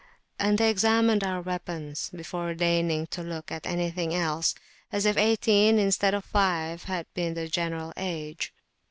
And they examined our weapons, before deigning to look at anything else, as if eighteen instead of five had been the general age.